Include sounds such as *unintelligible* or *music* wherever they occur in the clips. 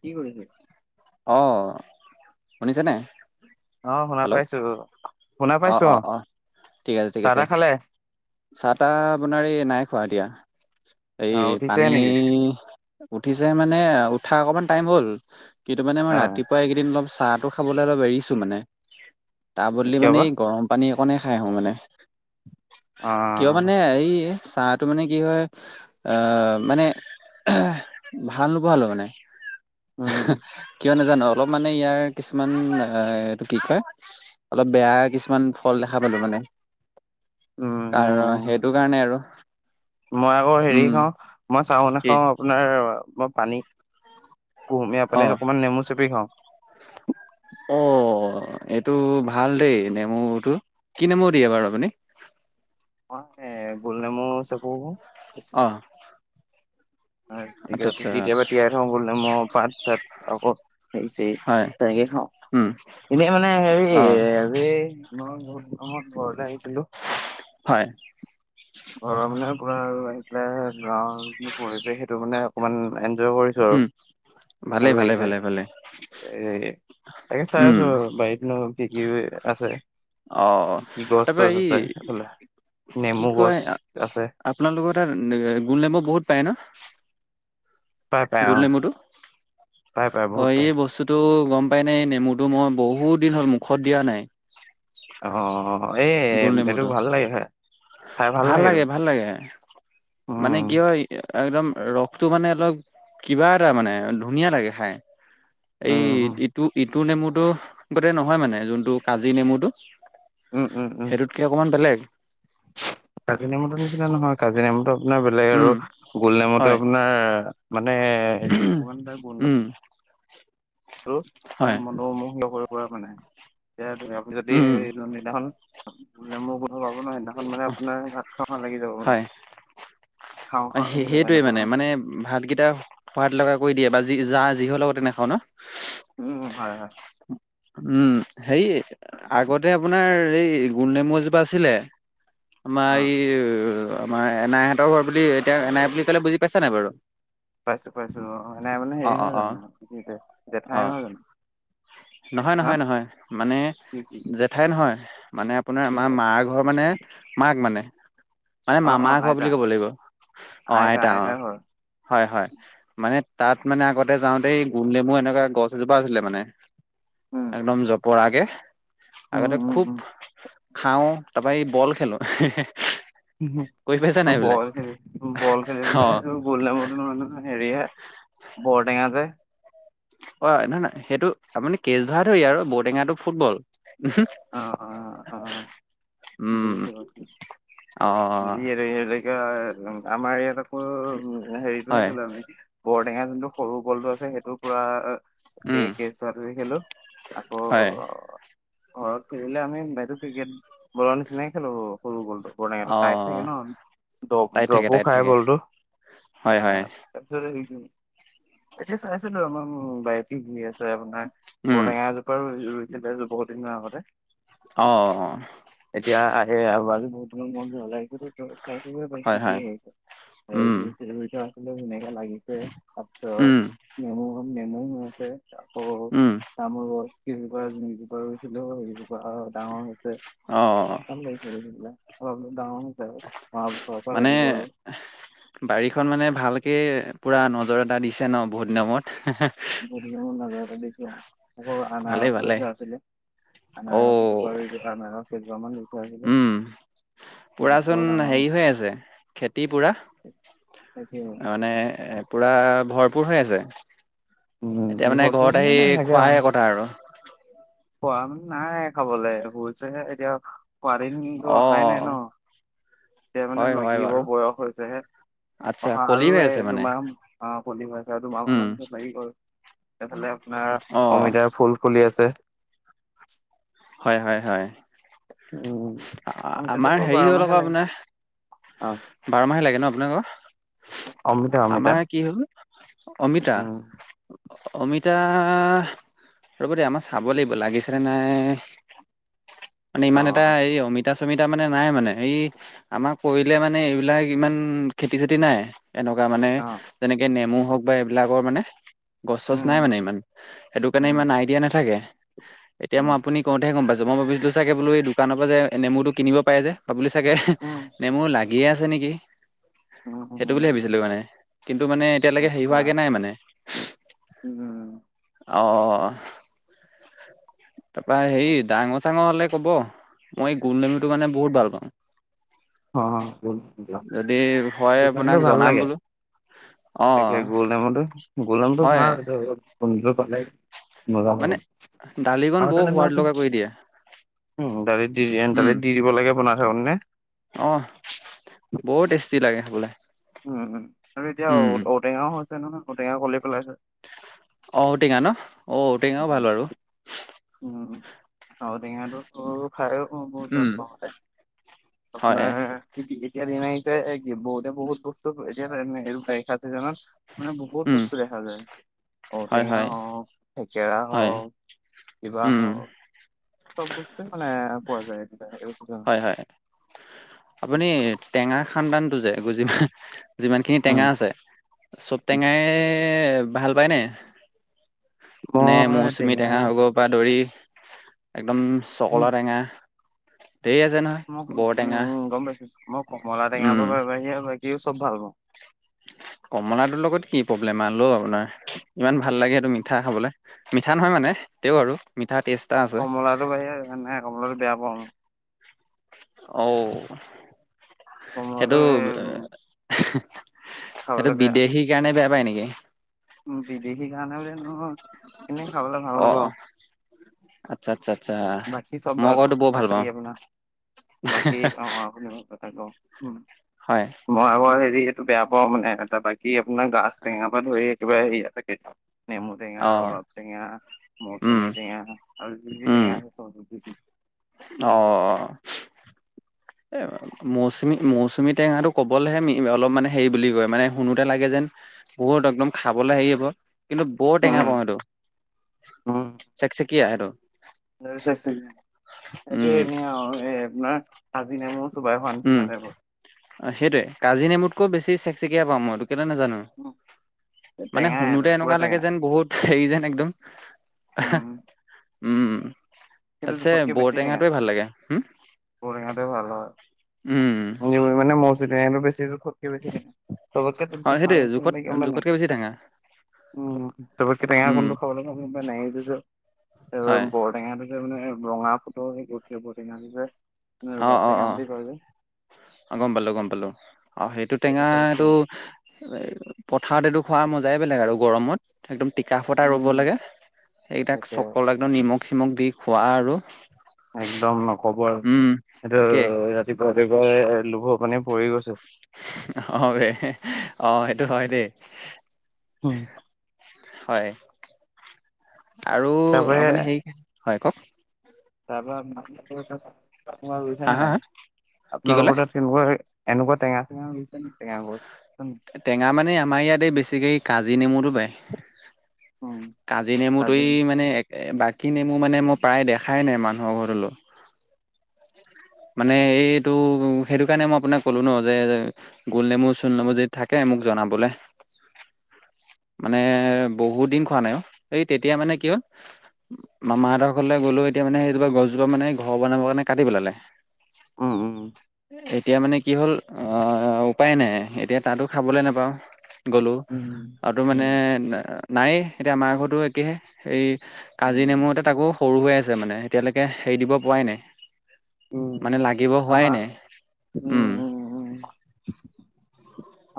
কি কৰিছে? অ, শুনিছে নে নাই। অ, শুনা পাইছো, শুনা পাইছো, অ, ঠিক আছে, ঠিক আছে। দাদা খালে। চাহ তাহ বনোৱাৰি নাই, খোৱা এতিয়া, এই অ উঠিছে পানী নেকি উঠিছে মানে উঠা অকমান টাইম হ'ল কিন্তু মানে মই অ ৰাতিপুৱা এইকেইদিন অলপ চাহটো খাবলৈ অলপ এৰিছো মানে তাৰ বদলি কিয় মানে বা এই গৰম পানী অকনে খাই আহো মানে অ কিয় মানে এই চাহটো মানে কি হয় আহ, মানে ভাল নোপোৱা হালো মানে। উম *inaudible* কিয় নাজানো অলপ মানে ইয়াৰ কিছুমান এইটো কি কয় অলপ বেয়া কিছুমান ফল দেখা পালো মানে আৰু সেইটো উম কাৰণে আৰু। মই আকৌ হেৰি উম, খাওঁ, মই চাহ কি নাখাওঁ, আপোনাৰ মই পানী কুহম আপ অ'। অকণমান নেমু চেপি খাওঁ। অ'। অ, এইটো ভাল দেই, নেমুটো কি নেমু দিয়ে বাৰু আপুনি মই গোল নেমু, চেবো অ', আচ্ছা আচ্ছা কেতিয়াবা তিয়াই থওঁ বোলে মই পাত, চাত আকৌৰিছে। হয় তেনেকে খাওঁ উম, এনেই মানে হেৰি অ', আজি মই বহুত মাহত ঘৰলৈ আহিছিলো। হয় ঘৰৰ মানে পৰা আৰু আহি পেলাই অ, পঢি পেলাই সেইটো মানে অকমান এনজয় কৰিছো আৰু। ভালে, ভাল ভালে, লাগিছে ভালে, ভালে। এ, তাকে চাই উম, আছো বাৰীতনো কি, কি, আছে। অ, কি কি গছ তাৰপ চছ এই আছে এইফালে নেমু কি গছ কয় আছে আপোনালোকৰ তাত গোণ ডমু বহুত পায় ন। পাই, পাই, গোল অ'। নেমুটো? পাই পাই অ, বহুত পাই এই বস্তুতটো গম পাই, নাই, নেমুতটো মই বহুত দিন হ'ল, মুখত দিয়া নাই। অ, এই, গোল এইটো নেমুটো। ভাল লাগে খায়। ভাল লাগে, ভাল লাগে, মানে কি উম হয়। একদম ৰসটো মানে অলপ কিবা এটা মানে ধুনীয়া লাগে খাই। এই উম উম ইটো, ইটো নেমুটো গোটেই নহয় মানে যোনটো কাজি নেমুটো উম উম উম সেইটোতকে অকমান বেলেগ। কাজি নেমতো নিছিলে নহয় কাজিৰ নমুটো আপোনাৰ বেলেগ আৰু উম গোল নমুতো হয় আপোনাৰ মানে হেৰি অকমান তাই গোন্ধ উম হয় মনোমোহ কৰিব পৰা মানে আমি যদি উম নিদিন *unintelligible* বোলে মোৰ বোধ পাব ন, সেইদিনাখন মানে আপোনাৰ‌ সাতশ খ, লাগি যাব মানে। খাওঁ অ, খাওঁ লাগি যাব সেইটোৱে এনেকুৱা মানে মানে ভাতকেইটা সোৱাদ লগা কৰি দিয়ে বা যি, যা, যিহৰ লগতে নাখাওঁ ন। উম, হয়, হয়। উম, হে, আগতে আপোনাৰ এই গুল নেমু মজোপা আছিলে। আমাৰ অ এই আমাৰ এনাইহঁতৰ হ, বুলি এতিয়া, এনাই বুলি কলে বুজি পাইছা নাই বাৰু? পাইছো, পাইছো, অ, নাই মানে অ হেৰি অ নহয় অ জানো অ জেঠাই নহয় জানো। নহয়, হা নহয়, নহয় মানে কি কি জেঠাই নহয়। মানে আপোনাৰ কি আমাৰ হয় মাৰ ঘৰ মানে মাক মানে। মানে অ অ মামাৰ ঘৰ আইতা বুলি ক'ব লাগিব অ, আইতা অ, আইতাৰ ঘৰ হয়, হয়, মানে। তাত মানে আগতে যাওঁতে গুম, ডমু এনেকুৱা গছ এজোপা আছিলে মানে উম একদম জপ পৰাকে উম আগতে খুব উম খাওঁ তাৰপৰা এই বল খেলো। কৰি পাইছা নাই এইবিলাক বল খেলি বল অ খেলিবলৈ গল নামুটো নহয়, নহয় হেৰি হে বৰটেঙা যে অ, ন, নয়, সেইটো আপুনি কেচ ধৰা, ধৰি আৰু বঔটেঙাটো ফুটবল *unintelligible* উম বুজিছোঁ বাৰু অ *unintelligible* উ, আমাৰ ইয়াত আকৌ হেৰিটোহে হয় গ'লো আমি বৰ টেঙা যোনটো সৰু কলটো আছে সেইটো পুৰা কে উম কে চ' খেলো আকৌ হয় ঘৰত খেলিলে আমি বাইতো ক্ৰিকেট বৰ নিচিনাইে খেলো সৰু বলটো। পুৰণা এইটো অ চাইড থাকে ন' ডপ টাইত থাকে ড্ৰপো টাইত খাই থাকে গলতো। হয় হয় অ' তাৰপছেই এতিয়া চাইছিলোঁ আমাৰ বাইটী গ আছে আপোনাৰ উম বৰেঙা এজোপা ৰো এ, বহুত দিনৰ আগতে। অ', অ'। এতিয়া আহে আৰুজি বহুত দিনৰ মূৰত ঘৰলে আহিছোঁতো। কাই হয় হয় পইস্থিতি আৰু উম *unintelligible* কিবা লাগিছে উম তাৰপিছত নেমু নেমু হৈ আছে। অ' উম তামোল গছ কি বুলি কয় কেইজোপা এ, এজোপা ৰুইছিলো সজোপা ডাঙৰ হৈছে। অ টাইম লাগিছে আৰু সেইবিলাক হব ডাঙৰ হৈছে মানে আৰু বাৰীখন মানে ভালকে পুৰা নজৰ এটা দিছে ন' বহুত দিনৰ মূৰত। বহুত দিনৰ মূৰত নজৰ এটা দিছো আও। আকৌ ভালে আনাৰস ভালে হৈ থোৱা আছিলে, অ আনাৰস এটোপ আনাৰস কেইজোৰ মান ৰোইছো। উম, পুৰাচোন ডাঙৰ হেৰি হৈছে হৈ আছে খেতি পুৰা। তাকে মানে এ, পুৰা ভৰপুৰ হৈ আছে। এতিয়া উম মানে ঘৰতো ঘৰত আহি মানে এনেকে খোৱাহে কথা আৰু। খোৱা মানে নাই খাবলৈ ফলছেহে এতিয়া। খোৱাৰ দিনটো অ অহাই নাই ন' এতিয়া মানে হয় হয় লাগিব বাৰু বয়স হৈছেহে। আচ্ছা অহা কলি আৰু হৈ এই আছে মানে দুমাহ অ' কলি হৈ আছে আৰু দুমাহ উম মনৰ পিছত লাগি গল। এইফালে আপোনাৰ অ অমিতাৰ ফুল ফুলি আছে। হয় হয় হয়। উম অমিতাটো আমাৰ বাৰু হেৰি বাৰ হ'ল মাহে আকৌ লাগে আপোনাৰ, অ বাৰ মাহে লাগে ন' আপোনাকোকৰ? অমিতা অমিতা আমাৰ কি হ'ল অমিতা? উম অমিতা ৰ'ব দেয়ক আমাৰ চাব লাগিব লাগিছেনে নাই। মানে অ ইমান এটা এই অমিতা অমিতা মানে নাই মানে, এই আমাক কৰিলে মানে এইবিলাক ইমান খেতি চেতি নাই। এনেকুৱা মানে অ যেনেকে নেমু। হওক বা এইবিলাকৰ মানে গছ চছ উম নাই মানে ইমান সেইটো কাৰণে উম ইমান আইডিয়া নাথাকে। এতিয়া মই উম আপুনি কওঁতে গম পাইছো, মই ভাবিলোঁ চাগে বোলো দু দোকানৰপৰা যে নেমুটো কিনিব পাৰে যে, পাবুলি চাগে উম নেমু লাগিয়ে আছে নেকি। উম সেইটো বুলি উম, ভাবিছিলোঁ মানে কিন্তু মানে এতিয়ালৈকে হেৰি আচ্ছা হোৱাগে নাই মানে। উম। অ', অ', অ' তাৰপৰা হেৰি ডাঙৰ চাঙৰ হলে ক'ব মই গোলনেমুটো কাৰণে বহুত ভাল পাওঁ। অ' যদি হয় দোকানটো আপোনাক ভাল জনাম লাগে। বোলো তাকে অ গোলনেমুটো, গোলনেমুটো হয় ভাল এইটোতো পালে মজা আৰু, মানে দালিকণ বৰ আহোঁতে সোৱাদ নামিবাচুন। লগা কৰি দিয়ে উ, দালিত দি দালিত দি দিব লাগে বনা থৰ নে। অ' বহুত টেষ্টি লাগে বোলে। উম, উম, আৰু এতিয়া ঔ-ঔটেঙাও হৈছে নহয় ঔটেঙাও কলি পেলাইছে। ঔটেঙা ন' অ' ঔটেঙাও ভাল বাৰু। হত ঔটেঙাটোতো খায় বহুত ভাল উম পাওঁ তে হয় আপোনাৰ এতিয়া দিন আহিছে বহুতে বহুত বস্তু এতিয়া বাৰিষা ছিজিনত মানে বহুত উম বস্তু দেখা যায় হয় ঔটেঙা হয় হওক থেকেৰা হয় হওক কিবা উম হওক চব বস্তু মানে পোৱা যায়। হয় হয় আপুনি টেঙা খান্দানতটো যে গুজি যিমানখিনি টেঙা উম, আছে চব টেঙাই ভাল পায় নে? মানে মৌচুমী টেঙা হৈব পৰা ধৰি একদম উম, চকলা টেঙা ধেৰ আছে নহয় মই উম, বৰ টেঙা উম, গম পাইছো মই কমলা উম টেঙাৰ বাহিৰে চব ভাল পাও। কমলাটোৰ লগত কি প্ৰব্লেম আল আপোনাৰ ইমান ভাল লাগে সেইটো মিঠা খাবলে মিঠা নহয় মানে তে আৰু মিঠা টেষ্ট এটা আছে। কমলাটো বাহিৰেও কমলাটো বয়া পাওঁ অ', কোমল সেইটো এ সেইটো খাবলৈ বেয়া বিদেশীৰ কাৰণে বেয়া পায় নেকি? বিদেশী খানা বোৰে নহয় এনেই খাবলে ভাল অ নাপাও। আচ্ছা, আচ্ছা, আচ্ছা চব মই ভাল কওঁতো বৰ ভাল বাকী পাওঁ। আপোনাৰ বাকী অ', *unintelligible* উ হয় মই আৰ হেৰি এইটো বেয়া পাওঁ মানে টা বাকী আপোনাৰ গাছ টেঙা পৰা ধৰি কিবা *unintelligible* নেমু টেঙা অ ৰবাব টেঙা উম মৌচুমী টেঙা আৰু জি উম টেঙা অ *inaudible* অ',। এ মৌচুমী মৌচুমী টেঙাটো কবলৈহে অলপ মানে হেৰি বুলি কয় মানে শুনোতে লাগে যেন বহুত একদম খাবলৈ হেৰি হব কিন্তু বৰ টেঙা পাওঁ সেইটো। উ। চেকচেকীয়া সেইটো সেইটো উম এনে আৰু এই আপোনাৰ- কাজী নেমু চোবাই খোৱা নিচিনা উম টাইপৰ সেইটোৱে কাজি নেমুতকৈ বেছি চেকচিকিয়া পাওঁ মইটো কেলে নোজানো। উম, মানে টেঙাই এইটো শুনোঁতে পুৰা এনেকুৱা লাগে টেঙা যেন বহুত হেৰি যেন একদম উম উম সেইটো তাছে জোখতকে বেছি টেঙা বৰটেঙাটো ভাল লাগে হম। নি মানে মৌচি টেঙা বেছি *unintelligible* অ সেইটোৱে জোখত খুবে মান জোখতকে বেছি টেঙা উম, তাৰ কি টেঙা উম কোনটো খাবলৈ নাই দিছো তাৰ হয় বৰটেঙা মে ৰঙা ফটোৰ টঙা দিছে অ ৰবাৰ অ টেঙা অ বুলি কয় যে অ', গম পালো গম পালো আৰু সেইটো চবতকে টেঙাটো ভাল। এ পথাৰত এইটো খোৱাৰ মাজত যাই বেলেগ আৰু গৰমত একদম টিকা ফটা ৰ'ব উম লাগে সেইকেইটাক তাকে চকল একদম নিমখ চিমখ দি খোৱা আৰু একদম নকব আৰু উম সেইটো তাকে ৰাতিপুৱা ৰাতিপুৱাই লোভৰ পানী পৰি গৈছে অ', অ', সেইটো হয় দেই উম। হয় আৰু তাৰপৰা আপুনি হে হয় কওক নে নাই আপোনাৰ হা লগৰতে হা হা তেনেকুৱা এনেুকুৱা কি ক'লে টেঙা লছে ন ত গ *inaudible* টেঙা মানে আমাৰ ইয়াতে বেছিকে কাজী নেমুতটো পায় কাজী নেমুতেই মানে একে বাকী কাজী নেমু মানে মই প্ৰায় দেখাই নাই মানুহৰ ঘৰলৈ মানে এইটো সেইটো কাৰণে মই আপোনাক ক'লো ন যে গোলনেমু চোল নেমু যি থাকে মোক জনাবোলে *unintelligible* মানে বহুত দিন খোৱা নাইও এই তেতিয়া মানে কি হ'ল? মামাহঁৰ ঘৰলে গ'লও এতিয়া মানে সেইজোপা গছজোপা ঘৰ বনাবৰ কাৰণে কাটি পেলালে। উম, উম। এতিয়া মানে কি হ'ল আহ উপায় নাই। এতিয়া তাতো খাবলে নাপাওঁ। গ'লো আৰু মানে নায়েই এতিয়া আমাৰ ঘৰতো একেহে, এই কাজি নেমুতে তাকো সৰু হৈ আছে মানে এতিয়ালৈকে। হেৰি দিব পোৱাই নাই। অ'। মানে লাগিব, হোৱাই নাই উম।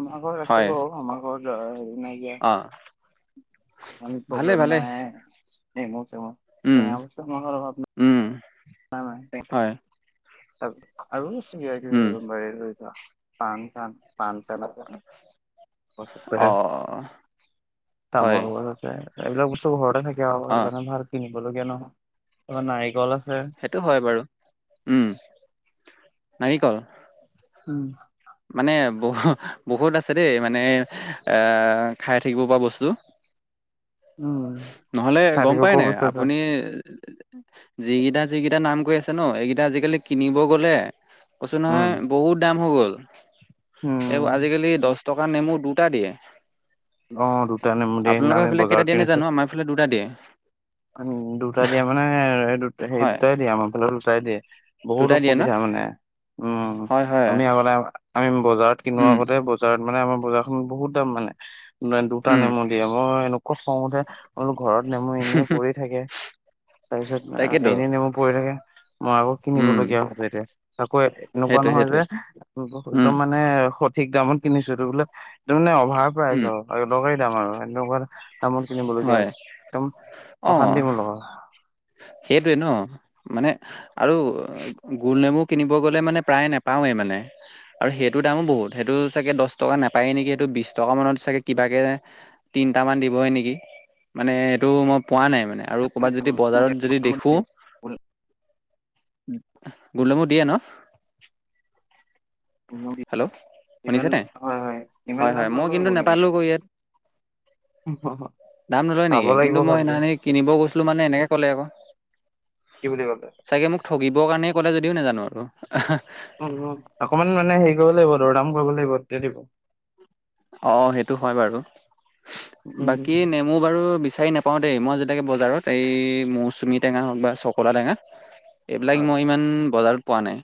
আমাৰ ঘৰ আছে হয় গ, আমাৰ ঘৰ হেৰি ন, অ ভালে প্ৰব্লেম ভালে নাই। ম, ভ উম *inaudible* উম *unintelligible* আৰুৰে লৈ হয় উম যোৱা *inaudible* পচ, চান, পচ, চ, লকা *inaudible* *inaudible* অ এইবিলাক বস্তু ঘৰতে থাকে হয় আৰু সেই কাৰণে ভাল অ কিনিবলগীয়া নহয় তাৰ নাৰিকল আছে। সেইটো হয় বাৰু উম, নাৰিকল। উম। মানে বহুত, বহুত আছে দেই মানে এ, খাই থাকিব পৰা বস্তু। *inaudible* নহলে তাত গম পাই একো নাই বস্তু আছে আপুনি? যিকেইটা, যিকেইটা নাম কৈ আছে ন, এইকেইটা আজিকালি কিনিব গলে কৈছো নহয় উম বহুত দাম হৈ গ'ল, এৱো উম আজিকালি দশ টকাত নেমু দুটা দিয়ে। অ, দুটা নেমু দিয়ে সেইদিনা আমি বজাৰত কিনি জানো আমাৰ এইফালে দুটা দিয়ে। দুটা দিয়া মানে দু-সেই হয় দুটাই দিয়ে আমাৰ ফালেও দুটাই দিয়ে। বহুত দুটা দিয়ে ন অসুবিধা মা উম, হয় হয় আমি আগতে আমি বজাৰত কিনো উম আগতে বজাৰত মানে আমাৰ বজাৰখনত বহুত দাম মানে, দুটা উম নেমু দিয়ে মই এনো খং উঠে, মই বোলো ঘৰত নেমু এনে পৰি থাকে, তাৰপিছত তাকেতো এনে নেমু পৰি *unintelligible* মই আকৌ উম কিনিবলগীয়া হৈছে এতিয়া, আকৌ এনেকুৱা সেইটোৱে নহয় যে সেইটোৱে উম একদম মানে স ঠিক দামত কিনিছো এইটো বোলে, এইটো মানে অভাৰ প্ৰাইচ উম আৰু দৰকাৰী দাম আৰু সেইটো কাৰণে দামত কিনিব লগীয়া হয় হৈছে, একদম অশান্তি মোৰ লগত। এইটোৱে ন, মানে আৰু গুল নেমু কিনিব গ'লে মানে প্ৰায়ে নোপাওৱে মানে। আৰু সেইটোৰ দামো বহুত, সেইটো চাগে দশ টকা নাপায় নেকি সেইটো বিশ টকা মানত চাগে কিবাকে তিনটামান দিবহে নেকি, মানে সেইটো মই পোৱা নাই মান আৰু ক'বাত যদি বজাৰত যদি দেখো গুলনেমু দিয়ে ন। হেল্ল', ইমান শুনিছানে। হয় হয় ইমান দাম হয়-হয়, মই নলয় কিন্তু গ'ল। নাপালো গৈ ইয়াত। দাম নলয় চাব নেকি, কিন্তু লাগিব মই ভালকে সিদিনাখনি কিনিব গৈছিলো মানে এনেকে কলে আকৌ। কি বুলি কলে। চাগে মোক ঠগিবৰ কাৰণেই ক'লে যদিও নাজানো আৰু *inaudible* *inaudible* অকমান মানে হেৰি কৰিব লাগিব দৰদাম কৰিব লাগিব তেতিয়া দিব। অ, সেইটো হয় বাৰু। উম বাকী নেমু বাৰু বিছা বিচাৰি নাপাওঁ দেই মই যেতিয়াকে বজাৰত এই, মৌচুমী টেঙা হওক বা চকলা টেঙা। এইবিলাক হয় মই ইমান বজাৰত পোৱা নাই।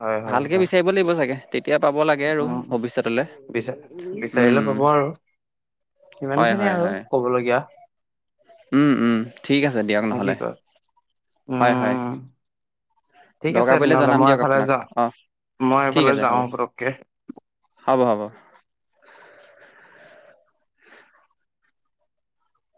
হয় হয় ভালকে হয় বিচাৰিব লাগিব চাগে। এতিয়া পাব লাগে আৰু ভৱিষ্যতলে। বিচা-বিচাৰিলে উম পাব আৰু। হয় সিমানখিনিয়ে হয় আৰু হয় কবলগীয়া। উম, উম, ঠিক আছে দিয়ক নে কি নহলে, কয় হয়-হয়। উম ঠিক আছে দকাৰ পৰিলে তেনেহ'লে জনাম মই দিয়ক এফালে আপোনাক, যাওঁ অ', মই এফালে ঠিক আছে যাওঁ হ'ব। পতককে হ'ব হ'ব।